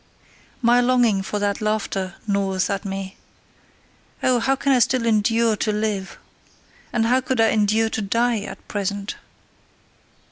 My longing for that laughter gnaweth at me: oh, how can I still endure to live! And how could I endure to die at present!